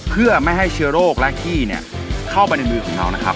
เพื่อไม่ให้เชื้อโรคและขี้เนี่ยเข้าไปในมือของเรานะครับ